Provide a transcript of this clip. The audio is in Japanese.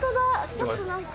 ちょっとなんか。